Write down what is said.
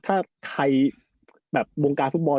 ถ้าใครแบบวงการฟุตบอล